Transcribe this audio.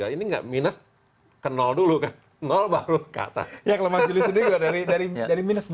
ini tidak minus